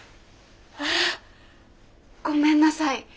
あごめんなさい